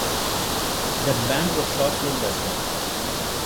That band was short-lived as well.